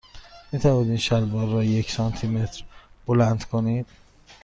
می توانید این شلوار را یک سانتی متر بلند کنید؟